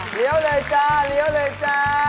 เดี๋ยวเลยจ้า